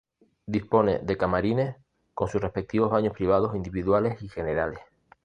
Dispone de camarines con sus respectivos baños privados individuales y generales.